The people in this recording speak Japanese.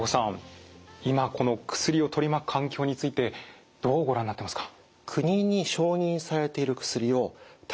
今この薬を取り巻く環境についてどうご覧になってますか？